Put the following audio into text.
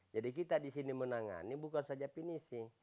jadi kita di sini menangani bukan saja penisi